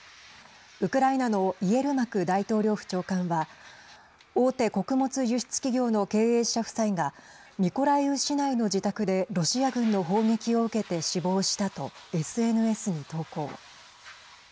ウクライナのイエルマク大統領府長官は大手穀物輸出企業の経営者夫妻がミコライウ市内の自宅でロシア軍の砲撃を受けて死亡したとＳＮＳに投稿。